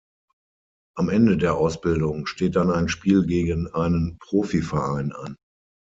Am Ende der Ausbildung steht dann ein Spiel gegen einen Profiverein an.